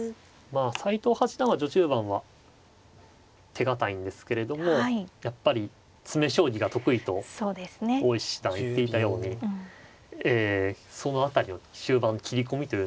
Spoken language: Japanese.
斎藤八段は序中盤は手堅いんですけれどもやっぱり詰め将棋が得意と大石七段言っていたようにえその辺りの終盤斬り込みというのも。